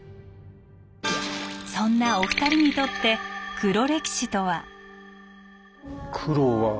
そんなお二人にとって黒歴史とは？